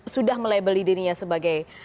sudah melabeli dirinya sebagai